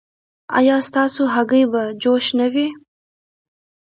ایا ستاسو هګۍ به جوش نه وي؟